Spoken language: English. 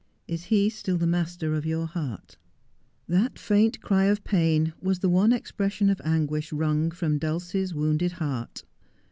IS HE STILL THE MASTER OF TOUR HEART ?' That faint cry of pain was the one expression of anguish wrung from Dulcie's wounded heart.